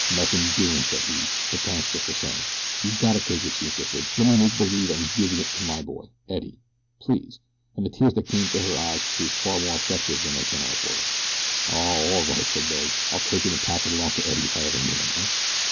"Nothin' doin'," said he; "but t'anks just the same." "You got to take it," she insisted. "Let me make believe I'm givin' it to my boy, Eddie please," and the tears that came to her eyes proved far more effective than her generous words. "Aw, all right," said Billy. "I'll take it an' pass it along to Eddie if I ever meet him, eh?"